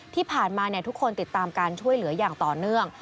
ที่ผ่านมาทุกคนติดตามการช่วยเหลืออย่างต่อเนื่อง